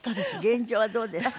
現状はどうですか？